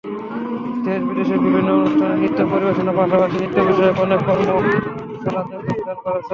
দেশে-বিদেশে বিভিন্ন অনুষ্ঠানে নৃত্য পরিবেশনের পাশাপাশি নৃত্যবিষয়ক অনেক কর্মশালাতেও যোগদান করেছেন।